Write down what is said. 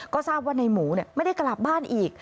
ก็ทราบว่าในหมูไม่ได้กลับบ้านอีก